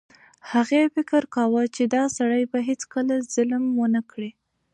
هغې فکر کاوه چې دا سړی به هیڅکله ظلم ونه کړي.